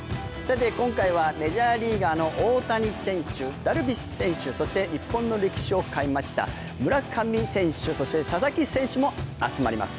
今回はメジャーリーガーの大谷選手、ダルビッシュ選手、そして日本の歴史を変えました村上選手、佐々木選手も集まります。